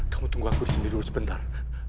kamu tunggu aku di sini dulu sebentar